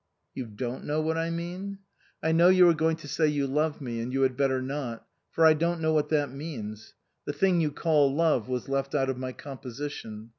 " You dorit know what I mean ?"" I know you are going to say you love me, and you had better not. For I don't know what that means. The thing you call love was left out of my composition.